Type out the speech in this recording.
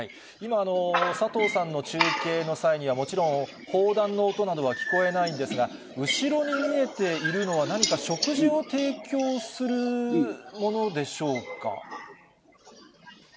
今、佐藤さんの中継の際には、もちろん、砲弾の音などは聞こえないんですが、後ろに見えているのは、何か食事を提供するものでしょうか。